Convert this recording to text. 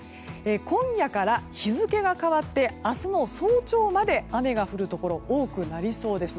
今夜から日付が変わって明日の早朝まで雨が降るところ多くなりそうです。